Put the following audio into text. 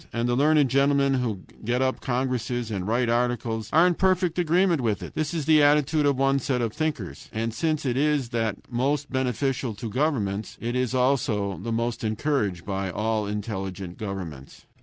And the learned gentlemen who get up congresses and write articles are in perfect agreement with it. This is the attitude of one set of thinkers. And since it is that most beneficial to governments, it is also the most encouraged by all intelligent governments.